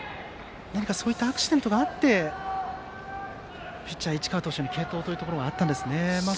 そういったアクシデントがあってピッチャー、市川投手に継投ということがあったんですね。